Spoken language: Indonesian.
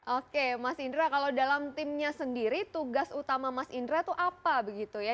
oke mas indra kalau dalam timnya sendiri tugas utama mas indra itu apa begitu ya